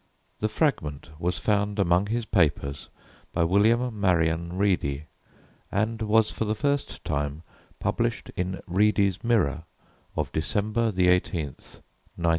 The fragment was found among his papers by William Marion Reedy and was for the first time published in Reedy's Mirror of December 18th, 1914.